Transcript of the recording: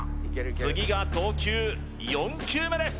次が投球４球目です